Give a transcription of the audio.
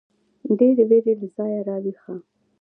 ډېـرې وېـرې له ځايـه راويـښه.